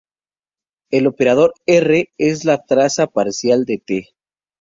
El operador "R" es la traza parcial de "T".